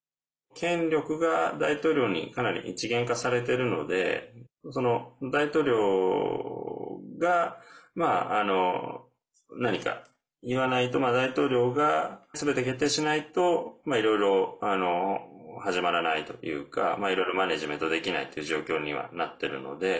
権力が大統領にかなり一元化されているので大統領が何か言わないと大統領がすべて決定しないといろいろ始まらないというかいろいろマネジメントできないっていう状況にはなってるので。